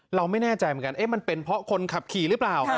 เราไม่แน่ใจเหมือนกันมันเป็นเพราะคนขับขี่หรือเปล่า